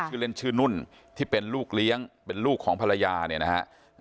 ชื่อเล่นชื่อนุ่นที่เป็นลูกเลี้ยงเป็นลูกของภรรยาเนี่ยนะฮะ